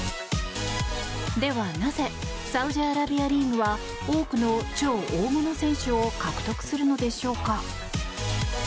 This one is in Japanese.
では、なぜサウジアラビアリーグは多くの超大物選手を獲得するのでしょうか。